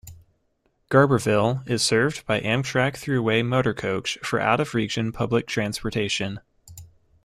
Garberville is served by Amtrak Thruway Motorcoach for out of region public transportation.